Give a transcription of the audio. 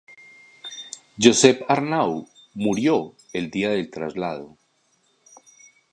Josep Arnau murió el día del traslado.